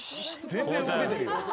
全然動けてるよ。